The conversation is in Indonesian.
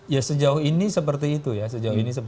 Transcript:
ya sejauh ini seperti itu ya